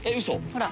ほら。